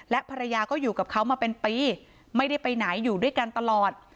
ภรรยาก็อยู่กับเขามาเป็นปีไม่ได้ไปไหนอยู่ด้วยกันตลอด